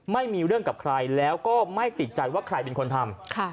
ไม่มีเรื่องกับใครแล้วก็ไม่ติดใจว่าใครเป็นคนทำ